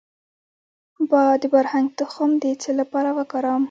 د بارهنګ تخم د څه لپاره وکاروم؟